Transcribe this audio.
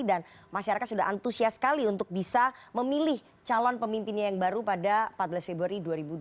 dan masyarakat sudah antusias sekali untuk bisa memilih calon pemimpinnya yang baru pada empat belas februari dua ribu dua puluh empat